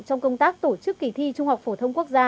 trong công tác tổ chức kỳ thi trung học phổ thông quốc gia